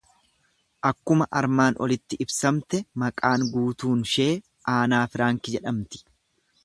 Akkuma armaan olitti ibsamte maqaa guutuunshee Aanaa Firaanki jedhamti.